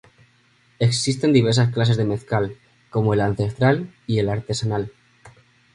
Existen diversas clases de mezcal, como el "ancestral" y el "artesanal".